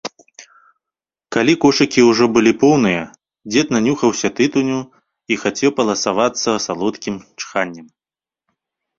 Калі кошыкі ўжо былі поўныя, дзед нанюхаўся тытуню і хацеў паласавацца салодкім чханнем.